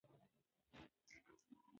رڼا ته لاس نیول د امید یوه نښه ده.